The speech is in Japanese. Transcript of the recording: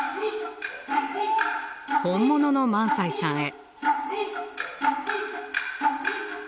本物の萬斎さんへ。